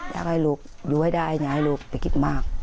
อยากให้ลูกอยู่ให้ได้อย่าให้ลูกไปคิดมาก